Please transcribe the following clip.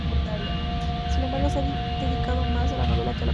Sin embargo, se ha dedicado más a la novela que a la poesía.